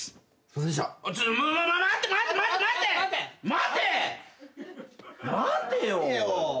待てよ。